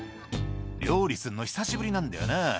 「料理すんの久しぶりなんだよな」